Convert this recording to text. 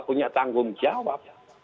punya tanggung jawab